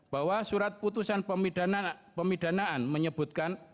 bahwa surat putusan pemidanaan menyebutkan